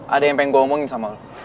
ada yang pengen gue omongin sama lo